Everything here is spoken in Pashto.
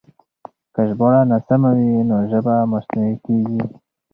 که ژباړه ناسمه وي نو ژبه مصنوعي کېږي.